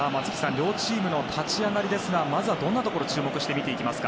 両チームの立ち上がりですがまずはどんなところに注目して見ていきますか？